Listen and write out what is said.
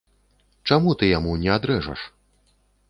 Чаму ты яму не адрэжаш?